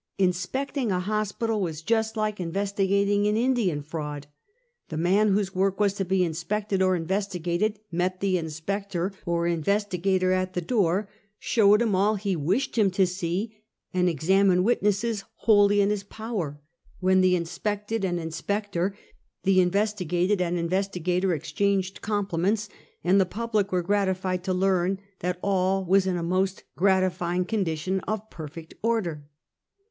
Inspecting a hospital was just like investiga ting an Indian fraud. The man whose work was to be inspected or investigated, met the inspector or in vestigator at the door, showed him all he wished him to see and examine witnesses wholly in his power — when the inspected and inspector, the investigated and investigator exchanged compliments, and the pub lic were gratified to learn that all was in a most grati fying condition of perfect order.